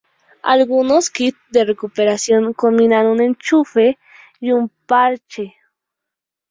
Algunos kits de reparación combinan un enchufe y un parche.